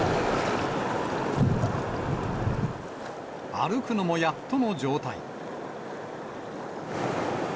歩くのもやっとの状態。